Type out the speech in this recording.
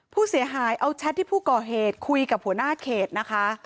ผู้เสียหายเอาแชทที่ผู้ก่อเหตุคุยกับหัวหน้าเขตนะคะ